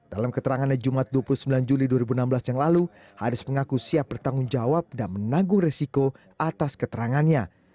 dalam keterangannya jumat dua puluh sembilan juli dua ribu enam belas yang lalu haris mengaku siap bertanggung jawab dan menanggung resiko atas keterangannya